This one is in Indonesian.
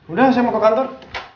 udah saya mau ke kantor